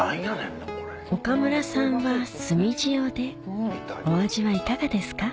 岡村さんは炭塩でお味はいかがですか？